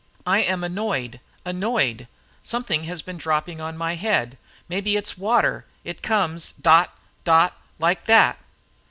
"I am annoyed, annoyed. Something has been dropping on my head. Maybe it's water. It comes dot, dot, like that."